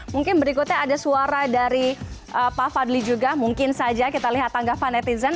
mungkin berikutnya ada suara dari pak fadli juga mungkin saja kita lihat tanggapan netizen